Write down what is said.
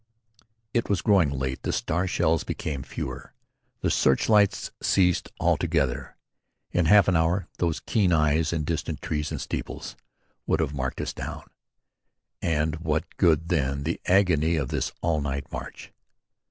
It was growing late. The star shells became fewer. The search lights ceased altogether. In half an hour those keen eyes in distant trees and steeples would have marked us down and what good then the agony of this all night march?